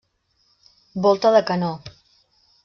Volta de canó.